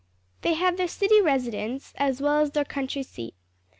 They had their city residence, as well as their country seat.